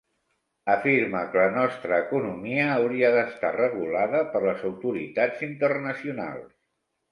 Afirma que la nostra economia hauria d'estar regulada per les autoritats internacionals.